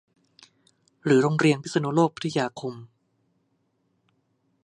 หรือโรงเรีบยพิษณุโลกพิทยาคม